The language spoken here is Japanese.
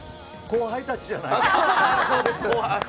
後輩たちじゃない。